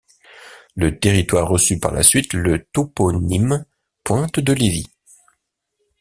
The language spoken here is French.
Le territoire reçut par la suite le toponyme Pointe-de-Lévy.